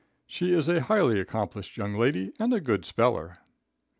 She is a highly accomplished young lady, and a good speller."